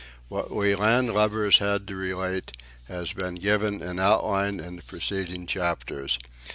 What we land lubbers had to relate has been given in outline in the preceding chapters.